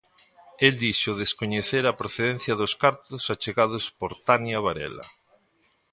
El dixo descoñecer a procedencia dos cartos achegados por Tania Varela.